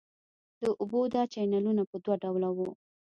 د اوبو دا چینلونه په دوه ډوله وو.